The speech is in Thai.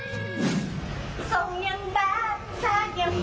ทรงยังแบบทรากยังบ่อย